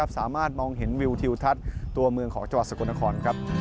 สามารถมองเห็นวิวทิวทัศน์ตัวเมืองของจังหวัดสกลนคร